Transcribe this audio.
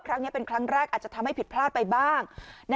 ครั้งนี้เป็นครั้งแรกอาจจะทำให้ผิดพลาดไปบ้าง